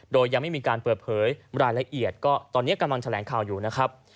โดยยังไม่มีการเปิดเผยรายละเอียดก็ตอนนี้กำลังแถลงข่าวอยู่นะครับ